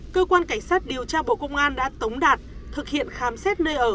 cơ quan cảnh sát điều tra bộ công an đã tống đạt thực hiện khám xét nơi ở